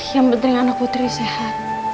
yang penting anak putri sehat